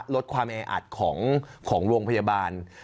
ลดความแออัดของโรงพยาบาล